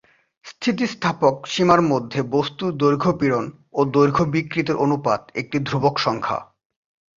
স্থিতিস্থাপক সীমার মধ্যে বস্তুর দৈর্ঘ্য পীড়ন ও দৈর্ঘ্য বিকৃতির অনুপাত একটি ধ্রুবক সংখ্যা।